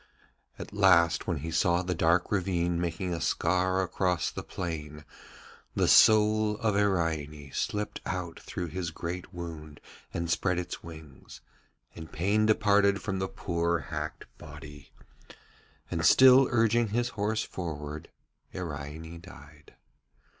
At last when he saw the dark ravine making a scar across the plain, the soul of Iraine slipped out through his great wound and spread its wings, and pain departed from the poor hacked body, and, still urging his horse forward, Iraine died.